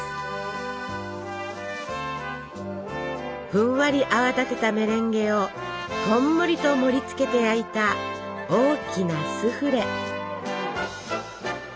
ふんわり泡立てたメレンゲをこんもりと盛りつけて焼いた大きなスフレ！